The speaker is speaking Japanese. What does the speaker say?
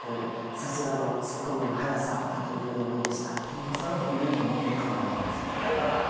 いまさら褒めんのもういいかもわかんないです。